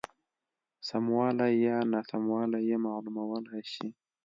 سموالی یا ناسموالی یې معلومولای شي.